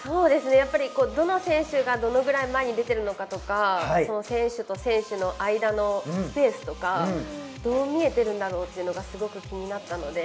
どの選手からどのくらい前に出ているのかとか、選手と選手の間のスペースとか、どう見えているんだろう？というのが、すごく気になったので。